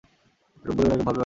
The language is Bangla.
এরূপ বলিও না, এরূপ ভাবিও না।